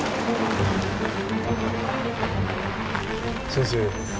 先生